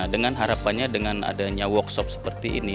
dengan harapannya dengan adanya workshop seperti ini